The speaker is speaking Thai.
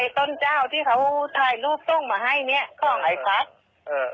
ไอต้นเจ้าที่เขาถ่ายรูปต้งมาให้เนี้ยกล้องไอฟัสเอ่อเอ่อ